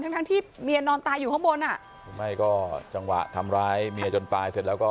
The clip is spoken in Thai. ทั้งทั้งที่เมียนอนตายอยู่ข้างบนอ่ะหรือไม่ก็จังหวะทำร้ายเมียจนตายเสร็จแล้วก็